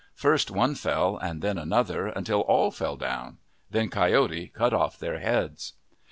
First one fell and then another, until all fell down. Then Coyote cut off their heads.